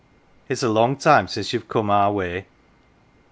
It's a long time since you've come our way.